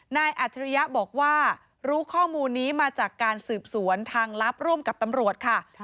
อัจฉริยะบอกว่ารู้ข้อมูลนี้มาจากการสืบสวนทางลับร่วมกับตำรวจค่ะ